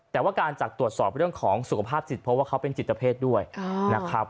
แต่ว่าการจากตรวจสอบเรื่องของสุขภาพจิตเพราะว่าเขาเป็นจิตเพศด้วยนะครับ